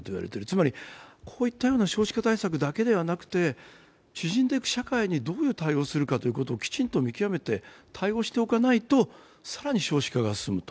つまりこういった少子化対策だけではなくて、縮んでいく社会にどういう対応をするかきちんと見極めて、対応しておかないと更に少子化が進むと。